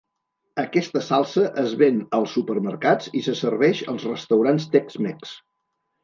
Aquesta salsa es ven als supermercats i se serveix als restaurants tex-mex.